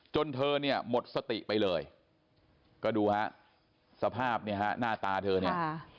จนเธอนี้หมดสติไปเลยก็ดูฮะสภาพหน้หน้าตาเธอนี้